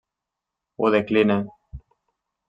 Ho decline.